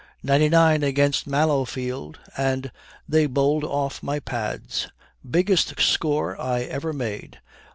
'Ninety nine against Mallowfield, and then bowled off my pads. Biggest score I ever made.